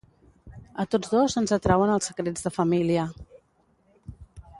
A tots dos ens atrauen els secrets de família.